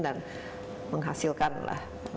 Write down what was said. dan menghasilkan lah